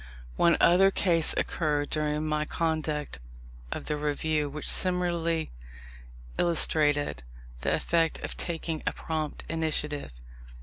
One other case occurred during my conduct of the Review, which similarly illustrated the effect of taking a prompt initiative.